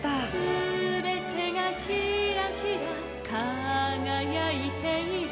「すべてがキラキラかがやいている」